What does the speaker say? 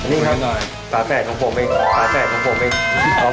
นี่ครับตาแฝดของผมเอง